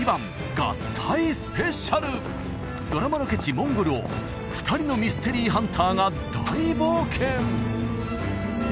モンゴルを２人のミステリーハンターが大冒険！